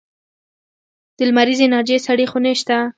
د لمریزې انرژۍ سړې خونې شته؟